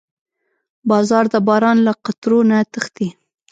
باز د باران له قطرو نه تښتي